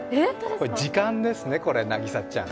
時間ですね、渚ちゃん。